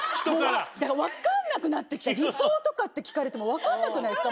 分かんなくなって来ちゃって理想とかって聞かれても分かんなくないですか？